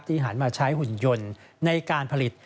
หันมาใช้หุ่นยนต์ในการผลิต